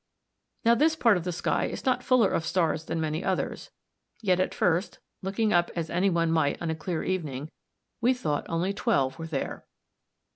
Now this part of the sky is not fuller of stars than many others; yet at first, looking up as any one might on a clear evening, we thought only twelve were there.